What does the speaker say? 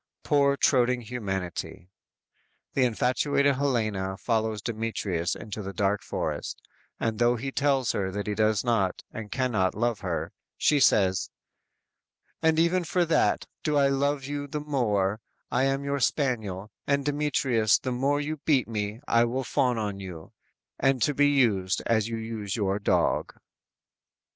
Poor, toadying humanity! The infatuated Helena follows Demetrius into the dark forest, and though he tells her that he does not and cannot love her, she says: _"And even for that, do I love you the more; I am your spaniel; and Demetrius The more you beat me, I will fawn on you, And to be used, as you use your dog!"